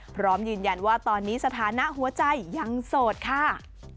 พร้อมยืนยันว่าตอนนี้สถานะหัวใจยังโสดค่ะ